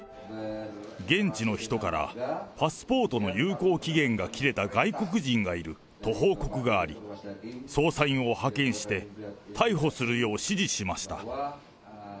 現地の人からパスポートの有効期限が切れた外国人がいると報告があり、捜査員を派遣して、逮捕するよう指示しました。